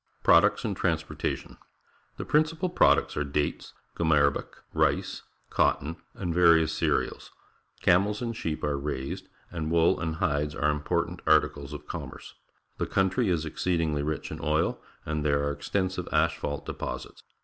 Products and Transportation. — The prin cipal products are dates, gumarabic, rice, cotton, and various cereals. Camels and sheep are raised, and wool and hides are im portant articles of commerce. The country is exceedingly rich in oil, and there are extensive asphalt deposits.